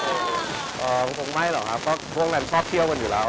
คือชอบเชี่ยวชอบกินอะไรอย่างนี้คือยังไงผมไปคนเดียวยังสนุกเลย